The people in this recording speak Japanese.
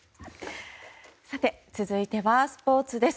続いては、スポーツです。